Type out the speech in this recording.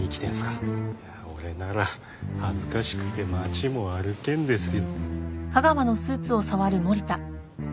俺なら恥ずかしくて街も歩けんですよ。